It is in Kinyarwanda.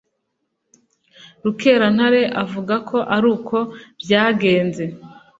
Rukerantare avuga ko aruko byagenze